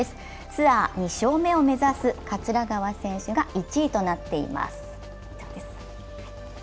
ツアー２勝目を目指す桂川選手が１位となっています。